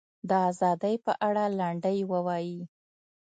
د ازادۍ په اړه لنډۍ ووایي.